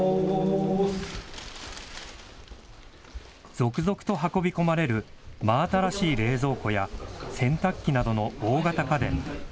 続々と運び込まれる、真新しい冷蔵庫や洗濯機などの大型家電。